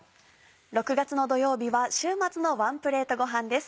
６月の土曜日は週末のワンプレートごはんです。